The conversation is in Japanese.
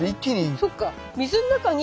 そっか。